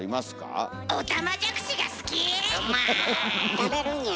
食べるんや。